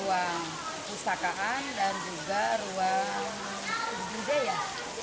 ruang pustakaan dan juga ruang gede ya